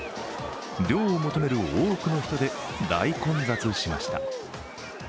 涼を求める多くの人で大混雑しました。